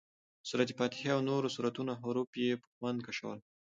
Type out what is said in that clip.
د سورت فاتحې او نورو سورتونو حروف یې په خوند کشول.